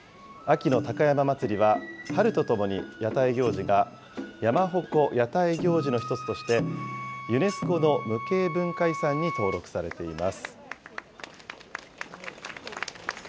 秋の高山祭は、春とともに屋台行事が山・鉾・屋台行事の一つとして、ユネスコの無形文化遺産に登録されています。